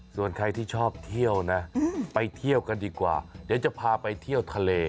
ส่วนใครที่ชอบเที่ยวนะไปเที่ยวกันดีกว่าเดี๋ยวจะพาไปเที่ยวทะเล